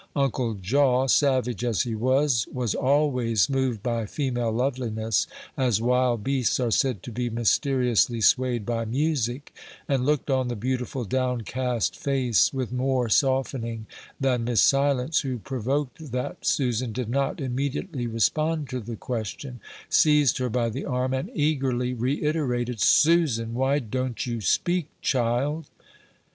Uncle Jaw, savage as he was, was always moved by female loveliness, as wild beasts are said to be mysteriously swayed by music, and looked on the beautiful, downcast face with more softening than Miss Silence, who, provoked that Susan did not immediately respond to the question, seized her by the arm, and eagerly reiterated, "Susan! why don't you speak, child?"